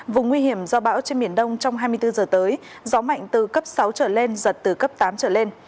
vùng nguy hiểm do bão trên biển đông trong hai mươi bốn giờ tới gió mạnh từ cấp sáu trở lên giật từ cấp tám trở lên